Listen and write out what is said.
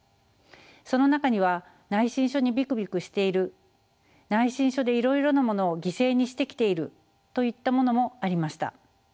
その中には「内申書にビクビクしている」「内申書でいろいろなものを犠牲にしてきている」といったものもありました。